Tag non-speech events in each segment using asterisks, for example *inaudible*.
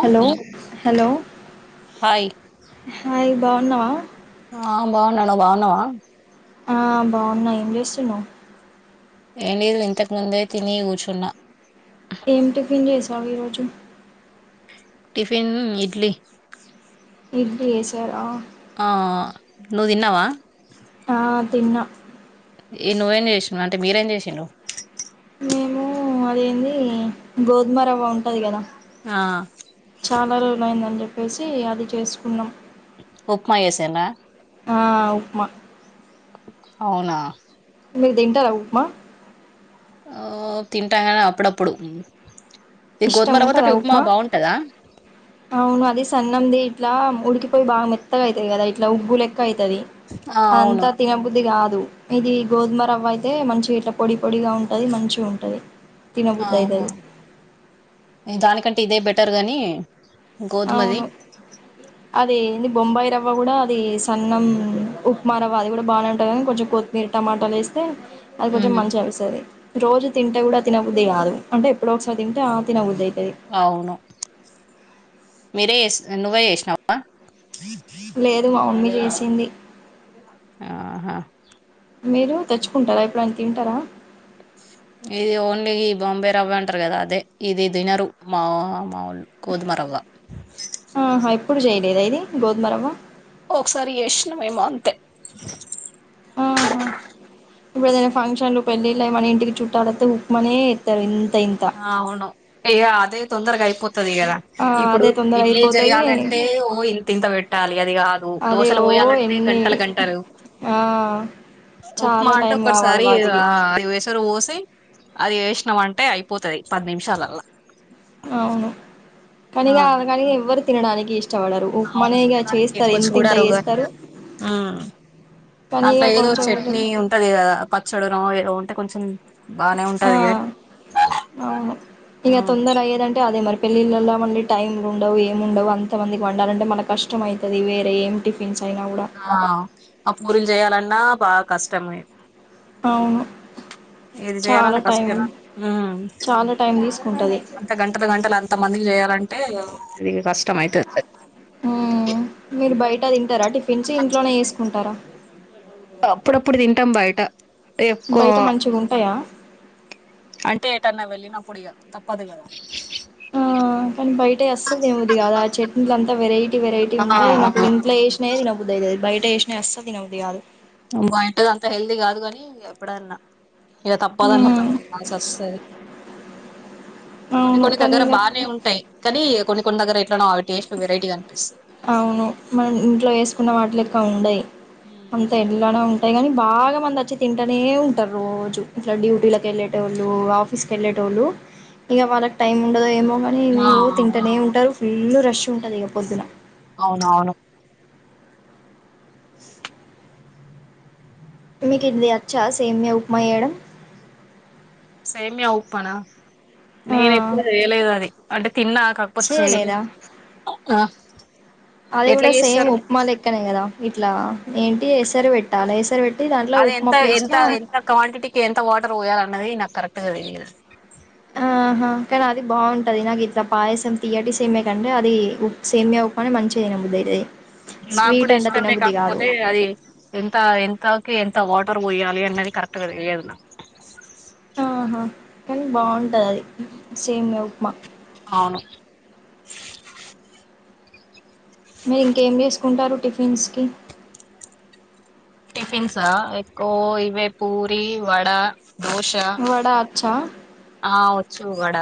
Hello hello hi. Hi బావున్నావా? ఆ బావున్నా, నువు బావున్నావా? ఆ బావున్నా. ఏం చేస్తున్నావ్? ఏం లేదులే ఇంతకుముందే తిని కూర్చున్నా. ఏం టిఫిన్ చేసావు ఈరోజు టిఫిన్ ఇడ్లీ. ఇడ్లి చేసారా ఆ ఆ నువ్ తిన్నావా? తా తిన్న ఈ నువ్వేం చేసినవ్ అంటె మీరేం చేసిండ్రు మేము అదెంది గోధుమరవ్వ ఉంటది కదా ఆ చాలా రోజులు అయిందండి వేసి అది చేసుకున్నం ఉప్మా చేసిండ్రా ఆ ఉప్మ అవునా మీరు తింటార ఉప్మా ఆ తింటా గాని అప్పుడప్పుడు ఇది ఇష్టం ఉంటదా గోధుమరవ్వతోటి ఉప్మా బాగుంటదా అవును అది సన్నంది ఇట్ల ఉడికిపోయి బాగా మెత్తగా అయితది కదా ఇట్లా ఉగ్గులేక్ గయితది ఆ అవును అదంతా తినబుద్ది కాదు ఇది గోధుమ రవ్వ అయితే మంచిగా ఇట్లా పొడి పొడిగా ఉంటది మంచి గుంటది ఆహ ఇద్ దానికంట్ ఇదే బెటర్ గాని గోధుమది అవును అదీ అది బొంబయి రవ్వ కూడ అది సన్నం ఉప్మా రవ్వ అది కూడా బాగానే ఉంటుంది కానీ కొంచెం కొత్తిమీర్ టమాటాలు వేస్తే అది తోటి ఉమ్, మంచిగా అనిపిస్తుంది రోజు తింటే కూడ తినబుద్ది కాదు అంటే ఎప్పుడో ఒకసారి తింటే ఆ తినొద్ద్దది అవును మీరే చేస్ నువ్వే చేసినావ లేదు మా మమ్మీ ఏసింది ఆహ మీరు తెచ్చుకుంటరా ఎప్పుడయిన తింటార ఇది ఓన్లీ బొంబే రవ్వ అంటరు కదా అదే ఇది తినరు మా మాలు గోధుమ రవ్వ ఆహ ఎప్పుడు చేయలేద ఇది గోధమరవ్వ ఒకసారి చేసినం మేము అంతే ఆహ ఇప్పుడు ఏదైనా ఫంక్షన్లు పెళ్ళిళ్ళ మన ఇంటికి చుట్టాలొసై ఉప్మానే ఎస్తారు ఆ అవును ఇగ అదే తొందరగా అయిపోతు తది కదా ఆ ఇప్పుడు అదే తొందర ఇడ్లీ అయిపోతది చేయాలంటే ఓ ఇంత ఇంత పెట్టాలి అది కాదు అదే దోసలు ఓ పోయాలంటే ఎన్ని గంటలు గంటలు ఆ ఉప్మా చాలా అంటే టైం కావాలి ఒకసారి వాటికి స్తరు పోసి అది వేసినాం అంటే అయి పోతది పది నిమిషాలల్లా అవును కనీిక ఆల్ కనీ ఎవ్వరు తినాడానికీ ఇష్ట అవును తినడానికి ఎక్కువ చూడారు చేస్తారు కానీ దాంట్లో ఇగ ఏదో కొంచెం కొంచెం చట్నీ ఉంటది కదా పచ్చడిర ఏదో అంత కొంచం ఆ అవును ఇక తొందర అయ్యేదంటే అదే మరి పెళ్ళిళ్ళలో మళ్ళీ టైమ్లు ఉండవు ఏం ఉండవు అంత మందికి వండాలంటే మనకి కష్టం అవుతుంది వేరే ఏం టిఫిన్స్ అయినా కూడా ఆ ఆ పూరిం చేయాలండి నా బా కష్టమే అవును ఇది చాలా చేయాలన్నా టైం కష్టం ఉమ్ చాలా టైం తీసుకుంటది అంత గంటలు గంటలు అంత మందికి చేయాలంటే ఇది కష్టం అవుతుంది టా తింటారా టిఫిన్స్ ఇంలోనే వేసుకుంటారా అప్పుడప్పుడు తింటాం బయట ఎక్కువ బయట మంచిగా ఉంటాయా అంటే ఏటన్నా వెళ్ళినప్పుడు ఇక తప్పదు కదా ఉమ్ కానీ బయట అసలు దేముది కాదా ఆ చట్నీలు అంతా వెరైటీ వెరైటీ ఉంటాయి నాకు ఇంట్లో వేసినాయి బుధియతధి బయట షనిసస్తాది అసల్ తినబుధి కాధు ఉమ్ బేటది అంత హెల్తీ కాదు కాని ఎప్పుడన్నా ఇక మ్మ్ తప్పదన్నప్పుడుసి వస్తుంది కొన్ని అవును కొన్ని కానీ దగ్గర ఇగ బానే ఉంటాయి కానీ కొన్ని కొన్ని దగ్గర ఎట్లానో అవి టేస్ట్ వెరైటీ ఆనిపిస్తుంది అవును మనం ఇంట్లో వేసుకున్న వాటిలు క్క ఉండయి అంత ఎళ్లానే ఉంటాయి కాని బాగా మంది వచ్చి తింటూనే ఉంటారు రోజు ఇట్లా డ్యూటీలకి వెళ్ళేట వాళ్ళు ఆఫీస్కి వెళ్ళేట వాళ్ళు ఇంక వాళ్ళకి టైమ్ ఉండదుో ఏమో కానీ ఆ ఏవెవో తింటూనే అవును ఉంటారు ఫుల్ రష్ ఉంటుంది ఇక పొద్దున అవునవును మీకు ఇది అచ్చా సేమ్య ఉప్మా వేయడం సేమ ఉఊప్పనా ఆ నేను ఎప్పుడ చేయలేదు అది అంటే తిన్నా కాకపోతే చేయలే చేయలేదా అది ఎట్లా కూడా సేమ్ చేస్తారు ఉప్మా లెక్కనే కదా ఇట్లా ఏంటి ఏసరి పెట్టాలి ఏసరి పెట్ట అది ఎంత ఎంత ఎంత క్వాంటిటీకి ఎంత వాటర్ పోయాలి అన్నది నాకు కరెక్ టి ఆహా కానీ అది బాగుంటది నాకు ఇట్లా పాయసం తీయటి సేమయ కంటే అది సేమయ ఉప్పుని మంచిదినా బద్దు అది నాకు కూడా ఇష్టమే కాకపోతే అది ఎంత ఎంతకి ఎంత వాట ర పోయ్యాలి అనేది కరక్ట్ థెలియధు నక్ ఆహా కానీ బాగుంటది అది సెమ్యా ఉప్మా అవును మీరు ఇంకేం చేసుకుంటారు టిఫిన్స్ కి టిఫిన్సా ఎక్కువ ఇవే పూరి వడ దోశ వడ అచ్చా? ఆ వచ్చు వడ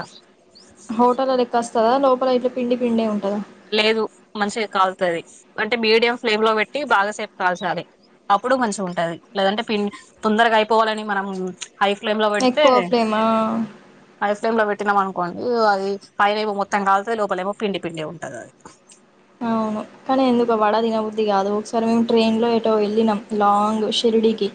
కదా లోపల ఇట్ల పిండి పిండే ఉంటద లేదు మంచిగా కాలుతది అంటే మీడియం ఫ్లేమ్ లో పెట్టి బాగాసేపు కాల్చాలి అప్పుడు మంచిగా ఉంటది లేదంటే పిం తొందరగా అయిపోవాలని మనం హై ఫ్లేమ్ లో పెడితే ఎక్కువ ఫ్లేమా? హై ఫ్లేమ్ లో పెట్టినాం అను కోన్ ఇగ అది పైనేమో మొత్తం కల్తాది లోపలేమో పిండి పిండే ఉంది టది అది అవును కానీ ఎందుకు వడ తినబుద్ధది కాదు ఒకసారి మేము ట్రైన్ లో ఎటో వెళ్ళినం లాంగ్ షిరిడికి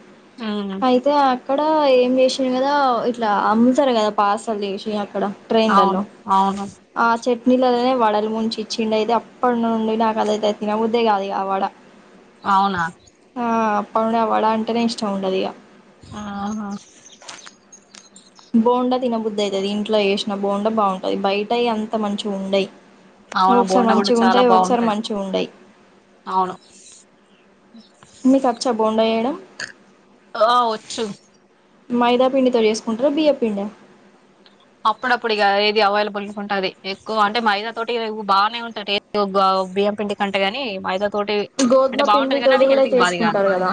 ఉమ్ అయితే అక్కడ ఏం చేసిన కదా ఇట్లా అమ్ముతారు కదా పర్సలు చేసి అక్కడ ట్రైన్లలో అవును అవును ఆ చె ట్నీలల్లోనే వడలు ముంచి ఇచ్చిండి అయితే అప్ ఉందండీ నాకు అదైతే తినబుద్దే కాదు ఇగ ఆ వడ అవునా ఆ *unintelligible* వడ అంటేనే ఇష్టం ఉండదు ఇగ ఆహ బోండా తినబుద్దు అయితది ఇంట్లో వేసిన బోండా బాగుంటది బయట అయి అంత మంచిగా ఉండయి అవును ఒకసారి బోండా కూడా మంచిగా చాలా ఉంటాయి ఒకసారి బాగుంటది మంచి ఉండయి అవును మీకచ్చా బోండా చేయడం ఆ వచ్చు మైదా పిండితో చేేసుకుంటార బియ్యపిండ అప్పుడప్పుడు ఇగ ఏది అవైలబుల్ అనుకుంటే అది, ఎక్కువ అంటే మైదా తోటి బానే ఉంటె టేస్ట్ బియ్యం పిండి కంటేగాని మైదా. తోటి అంటే గోధుమ పిండి బాగుంటది కానీ తోటి అది కూడా హెల్త్ కి బాది కాదు చేసుకుంటారు కదా,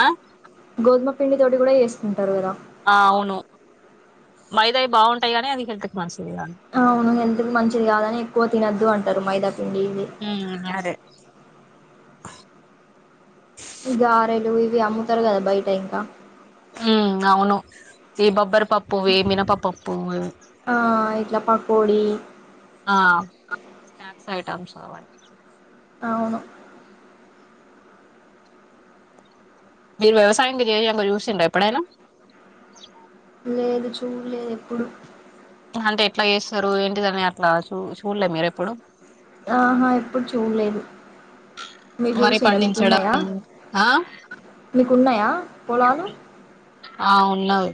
ఆ గోధుమ పిండి తోటి కూడా చేస్. కుంటారు కదా ఆ అవును మైదావి బాగుంటాయి అని అది హెళ్తుకి మంచ్ ఆవును మెన్ మంచిది కాదని ఎక్కువ తినొద్దు అంటరు మైదా పిండి ఇవి హుమ్ అరే ఉ గారెలు యి ఇవి అమ్ముతారు కదా బయట ఇంకా హ్మ్ అవును ఈ బబ్బర్ పప్పు వే మినప పప్పు ఆ ఇట్లా పకోడి ఆ స్నాక్స్ ఐటమ్స్ కోవన్ అవును మీరు వ్యవసాయంగా చేయంగా చూసిండా ఎప్పుడైనా లేదు చూడ్ లేదు ఎప్పుడు అంటే ఎట్లా చేస్తారు ఏంటిదని అట్లా చూ చూడలే మీరు ఎప్పుడు ఆహా ఎప్పుడు చూడలేదు మీరు వరి చూసిరా మీకున్నాయా పండించడం ఆ మీకున్నాయా పోలాలు ఆ ఉన్నావ్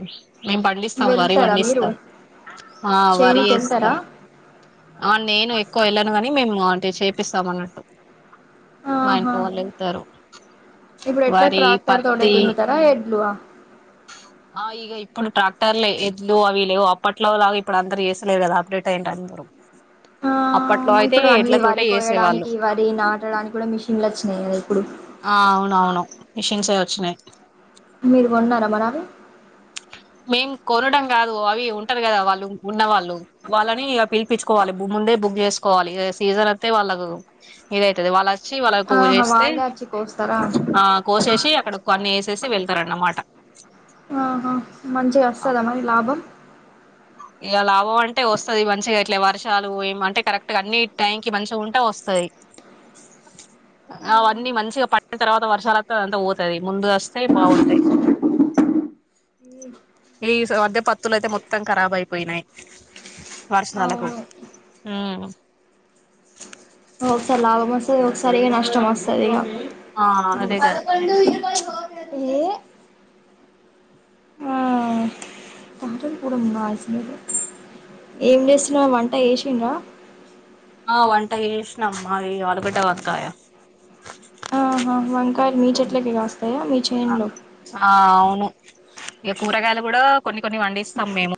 మేం పండిస్తాం వరి వెళ్తారా మీరు పండిస్తాం ఆ వరి చేనుకి వెళ్తారా వేస్తాం ఆ నేను ఎక్కువ వెళ్ళను ని మేము అంటే చేపిస్తామ అన్నట్టు మా ఆహా ఇంట్లో వాళ్ళు వెళ్తారు ఇప్పుడు ఎట్లా వరి ట్రాక్టర్ తోటే పత్తి దున్నతారా ఎడ్లువా ఆ ఇక ఇప్పుడు ట్రాక్టర్లు ఎడ్లు అవి లేవు. అప్పట్లో లాగా ఇప్పుడు అందరు చేస్తలేరు కదా అప్డేట్ అయ్యంరు అందరు ఆ అప్పట్లో అయితే ఇప్పుడు ఎడ్ల అన్ని తోటే వరి చేసేవాళ్ళు. కోయడానికి వరి నాటడానికి కూడా మిషన్లు వచ్చినాయి కదా ఇప్పుడు ఆ అవునవును మిషన్స వచ్చినాయి. మీరు బాగున్నారా మనావి మేం కొనడం కాదు అవి ఉంటరు కదా వాళ్ళు ఉన్నవాళ్ళు వాళ్ళని పిలిపించుకోవాలి. ముందే బుక్ చేసుకోవాలి. సీజన్ ఒతే వాళ్ళకు ఇదైతది వాళ్ళ వచ్చి వాళ్ళకు ఆహా చేస్తే వాళ్ళే వచ్చి కోస్తారా ఆ కోసేసి అక్కడ అన్ని వేసేసి వెళ్తారు అన్నమాట. ఆహ మంచిగ వస్తద మరి లాభం. యిక లాభం అంటె వస్తది, మంచిగ ఇట్లె వర్షాలు బొయ్ ఏమంటే కరెక్ట్ గా అన్ని టైంకి మంచిగ ఉంటె వస్తది. అవన్నీ మంచిగ పండిన తర్వాత వర్షాలు అంతా అంత పోతది ముందుగ వస్తె బాగుంటయ్. యీస్ మద్దె పత్తులు అయితె మొత్తం మొత్తం ఖరాబ్ అయిపోయ్ నాయ్. వర్షాలకు అవును హుమ్మ్ ఒకసారి, లాభం వస్తది. ఒకసారి నష్టం వస్తదియిక, ఆ అదే కదా ఏ ఆహ్ బాతు ల్ కురమ్ బాగ్ జేస్ నరు యేమ్ జేసిన్నవ్ వంట జేసిండ్ర ఆ వంట జేసినమ్మ యి ఆలుగడ్డ, వంకాయ. కాయల్ మీ చెట్టుకి కాస్ అ ఆ అవును, ఇక కూరగాయలు గూడా కొన్ని కొన్ని పండిస్తాం మేము,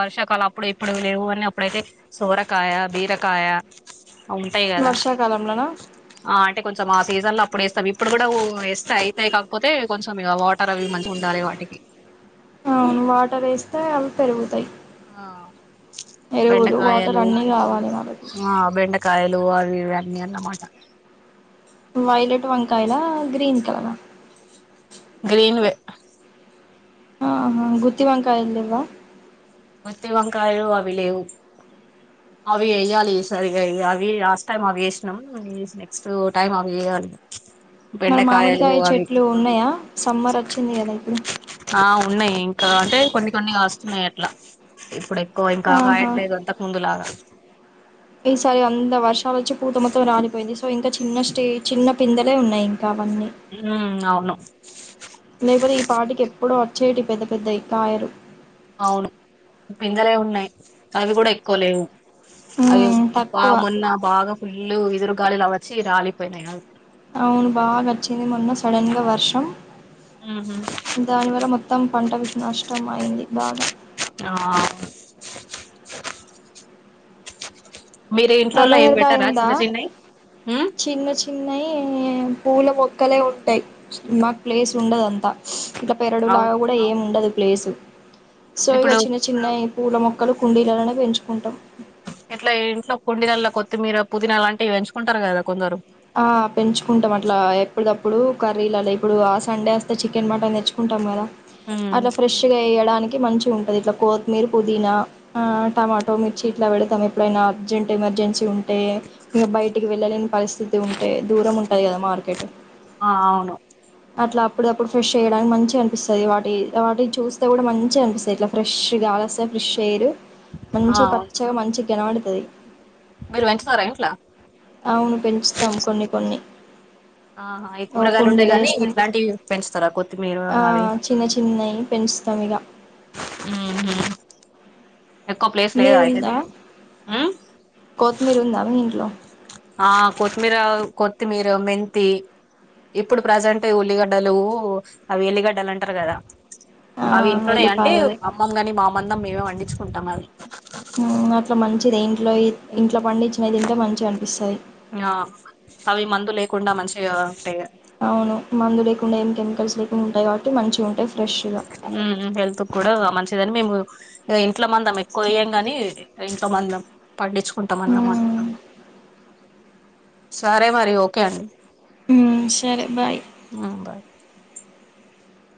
వర్షాకాల అప్పుడు ఇప్పుడు లేవు అని, అప్పుడైతె సోరకాయ, బీరకాయ. అవి ఉంటయ్ కద, వర్షాకాలంలోనా ఆ అంటె కొంచెం మాస్ సీజన్ ల అప్పుడు వేస్తాం, ఇప్పుడు గూడ ఒ యేస్తె అయిపొ వుంటై కాకపోతే, కొంచెం యిగ వాటర్ అవి మంచి గుండలె వాటికి. అవును వాటర్ వేస్తె అవి పెరుగుతాయ్. ఆహ్ ఎరువులు వాటర్ అన్ని కావాలె మనకు. ఆ బెండకాయలు అవి యివి అన్ని అన్నమాట. వయిలేట్ వంకాయల, గ్రీన్ కాయల గ్రీన్ వే హ ఆహ గుత్తి వంకాయల్ దెమో గుత్తి వంకాయలు అవి లేవ్ అవి వెయాలి, సరిగ అవి లాస్ట్ టైం అవి యేసినం. ఈజ్ నెక్స్ట్ టైం అవి వెయాలి. మరి బెండకాయలు మామిడికాయ అవి, చెట్లు ఉన్నాయా సమ్మర్ వచ్చింది కదా ఇప్పుడు ఆ ఉన్నాయ్, ఇంక అంటె కొన్ని కొన్ని. ఆస్ ఉన్నయ్ అట్ల, ఇప్పుడె కొ ఇంకా ఆహా కాయట్లేదు, అంతకు ముందులాగ. ఈసారి వంద వర్షం, ఆ వచ్చి, మొత్తం రాలిపోయింది. సో ఇంక చిన్న స్టేజ్, చిన్న పిందలె ఉన్నాయ్ యింక అవన్ని ఉమ్ అవును లేకపోతే ఈ పాటికి ఎపు ఎప్పుడో వచ్చేటి, పెద్ద పెద్దయి కాయలు. అవును పిందలె ఉన్నయ్ అవి గూడ ఎక్కువలేవు అవి అమ్ మ్మ్ అప్ప తక్కువ మొన్న బాగ ఫుల్లు ఎదురు గాలిలా వచ్చి రాలిపోయినయ అవును బాగ వచ్చింది. మొన్న సడనగా వర్షం. ఉహు దానివర మొత్తం పంట విష్ణు నష్టం అయింది బాగా ఆ మీరు నల్ల ఇంట్లోలో ఏం నేరేడుకాయ పెట్టారా ఉందా చిన్న చిన్న చిన్న చిన్నయి పూల మొక్కలే ఉంటాయి మాకు ప్లేస్ ఉండదంతా ఇంట్ల పెరడు లాగా అవును. కూడా ఏం ఉండదు ప్లేసు సో ఇగ ఇప్పుడు చిన్న చిన్నవి పూల మొక్కలు కుండీలలోనే పెంచుకుంటాం ఇట్లా ఇంట్లో కొండిల్ల కొత్తిమీర పుదీ అలాంటివి పెంచుకుంటారు కదా కొందరు ఆ పెంచుకుంటాం అట్లా ఎప్పుడు తప్పుడు కర్రీలలో ఇప్పుడు ఆ సండే వస్తే చికెన్ మటన్ తెచ్చుకుంటాం కదా ఉమ్ అలా ఫ్రెష్ గా వేయడానికి కి మంచిగా ఉంటది ఇట్ల కోతిమీర్ పుదీనా ఆ టమాటో మిర్చి ఇట్లా పెడతాను ఎప్పుడైనా అర్జెంట్ ఎమర్జెన్సీ ఉంటే బయటికి వెళ్లలేం పరి ఉంటే దూరం ఉంటాది కదా మార్కెట్ ఆ అవును అట్లా అప్పుడప్పుడు ఫ్రెష్ చేయడానికి మంచిగా అనిపిస్తుంది వాటి వాటి చూస్తే కూడా మంచిగా అనిపిస్తుంది ఇట్లా ఫ్రెష్ కాగాస్తే ఫ్రెష్ ఎయిర్ ఆ, మంచి అవును. పచ్చగా మంచి కనబడుతది మీరు పెంచుతారా ఇంట్లో అవును పెంచుతాం కొన్ని కొన్ని ఆహా ఈ ఓ కూరగాయలు ఉండయి కుండీలో గాని వేస్తే ఇట్లాంటివి పెంచుతారా కొత్తిమీర ఆ అవి చిన్న చిన్నయి పెంచుతాం ఇగ ఆహా మీది ఉందా ఉమ్ కొత్తిమీర ఉందా మీ ఇంట్లో ఆ కొత్తిమీర కొత్తిమీర, మెంతి ఇప్పుడు ప్రజెంట్ ఉల్లిగడ్డలు అవి ఎల్లిగడ్డలు అంటారు కదా ఆ అవి ఇంట్లోనే అంటే ఎల్లిపాయలు అమ్మమ్ కాని మామన్ అంద *unintelligible* మిమే పండించుంటాం అయ్ మ్మ్ అట్లా మంచిది ఇంట్లో ఇంట్లో పండించినవి తింటే మంచిగా అనిపిస్తాయి ఆ అవి మందు లేకుండా మంచిగా అంటాయి గా అవును మందు లేకుండా ఏం కెమికల్స్ లేకుండా ఉంటయి కాబట్టి మంచిగా ఉంటాయి ఫ్రెష్గా మ్మ్ హెల్త్ కూడా మంచి మేము ఇంట్లో మందం ఎక్కువ వయ్యం గాని ఇంట్లో మందం పండించుకుంటాం ఓకే అన్నమాట సిస్టర్ సరే మరి ఓకే అండి ఉ సరే బాయ్ ఉమ్ బాయ్